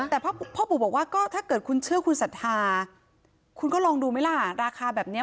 แต่พ่อปู่บอกว่าก็ถ้าเกิดคุณเชื่อคุณศรัทธาคุณก็ลองดูไหมล่ะราคาแบบนี้